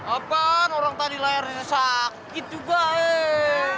apaan orang tadi layarnya sakit juga eh